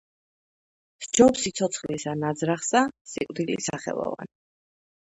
სჯობს სიცოცხლესა ნაზრახსა სიკვდილი სახელოვანი.